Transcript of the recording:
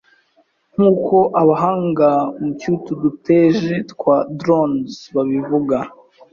nk'uko abahanga mu by'utu tudege twa 'drones' babivuga.